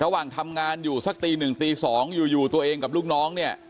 ระหว่างทำงานอยู่สักตีหนึ่งตี๒อยู่ตัวเองกับลูกน้องเนี่ย